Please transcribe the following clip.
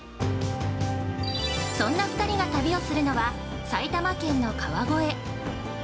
そんな２人が旅をするのは埼玉県の「川越」。